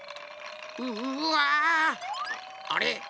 うわ！あれ？